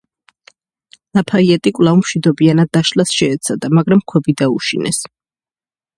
ლაფაიეტი კვლავ მშვიდობიანად დაშლას შეეცადა, მაგრამ ქვები დაუშინეს.